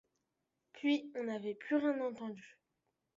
Puis, on n'avait plus rien entendu.